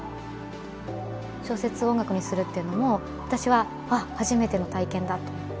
小説を音楽にするっていうのも私は初めての体験だと思って